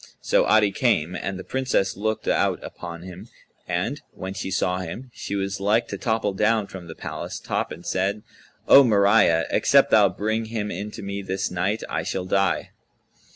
So Adi came, and the Princess looked out upon him; and, when she saw him, she was like to topple down from the palace top and said, "O Mariyah, except thou bring him in to me this night, I shall die."